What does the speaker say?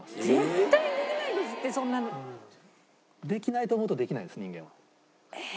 絶対にできないですってそんなの。できないと思うとできないです人間は。えっ！